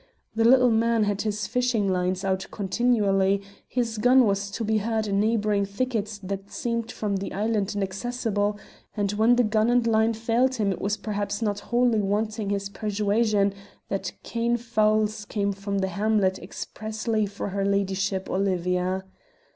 The little man had his fishing lines out continually, his gun was to be heard in neighbouring thickets that seemed from the island inaccessible, and when gun and line failed him it was perhaps not wholly wanting his persuasion that kain fowls came from the hamlet expressly for "her ladyship" Olivia.